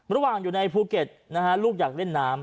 ระหว่างอยู่ในภูเก็ตลูกอยากเล่นน้ำ